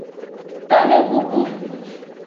Tamebubu.